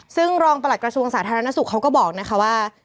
ซึ่งรองประหลัดกระทรวงสาธารณสุขเขาก็บอกนะคะว่า